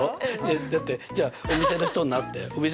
だってじゃあお店の人になって。